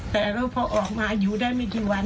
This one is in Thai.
แต่แล้วพอออกมาอยู่ได้ไม่กี่วัน